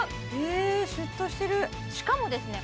えシュッとしてるしかもですね